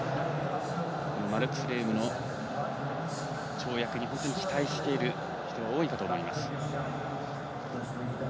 マルクス・レームの跳躍に期待している人が多いかと思います。